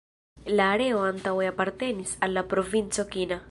La areo antaŭe apartenis al la provinco Kina.